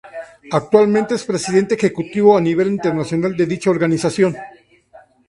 Actualmente es presidente ejecutivo a nivel internacional de dicha organización.